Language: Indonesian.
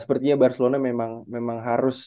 sepertinya barcelona memang harus